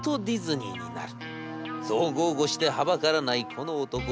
「そう豪語してはばからないこの男。